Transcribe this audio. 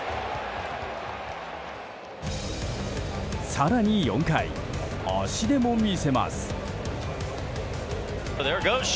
更に４回、足でも見せます。